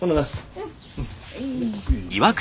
うん。